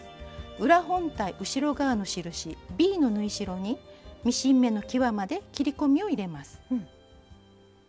裏本体後ろ側の印ｂの縫い代にミシン目のきわまで切り込みを入れます。